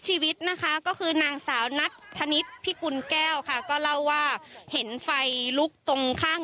ชั่วโมงนั้นไม่ดูแล้วครับฉันนั้นคิดอะไรอยู่บ้างพี่น่ะ